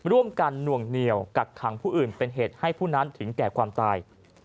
ร่วมกันหน่วงเหนียวกักขังผู้อื่นเป็นเหตุให้ผู้นั้นถึงแก่ความตาย